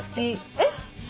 えっ！？